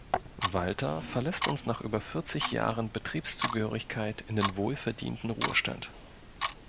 Walter verlässt uns nach über vierzig Jahren Betriebszugehörigkeit in den wohlverdienten Ruhestand.